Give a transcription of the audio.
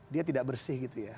dia tidak bersih gitu ya